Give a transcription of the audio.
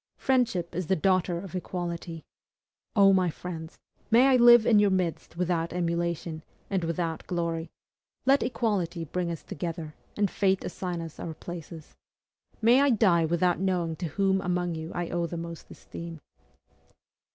Friendship is the daughter of equality. O my friends! may I live in your midst without emulation, and without glory; let equality bring us together, and fate assign us our places. May I die without knowing to whom among you I owe the most esteem!